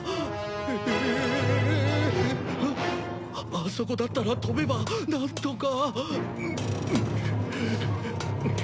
あそこだったら飛べばなんとか！